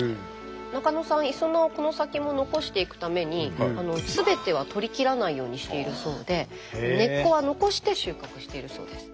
中野さんいそなをこの先も残していくためにすべては採りきらないようにしているそうで根っこは残して収穫しているそうです。